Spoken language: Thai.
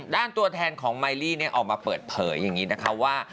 ตัวแทนของไมลี่ออกมาเปิดเผยอย่างนี้นะคะว่า